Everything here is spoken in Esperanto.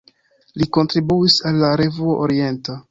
Li kontribuis al "La Revuo Orienta".